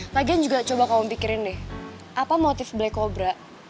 lagian juga coba kamu pikirin deh apa motif black cobra